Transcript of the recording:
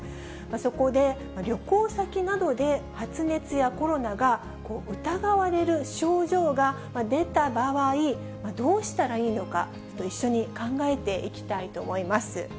そこで、旅行先などで発熱やコロナが疑われる症状が出た場合、どうしたらいいのか、一緒に考えていきたいと思います。